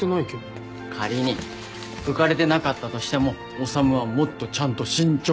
仮に浮かれてなかったとしても修はもっとちゃんと慎重に。